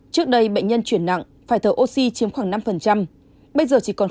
trước đây bệnh nhân chuyển nặng phải thở oxy chiếm khoảng năm bây giờ chỉ còn năm một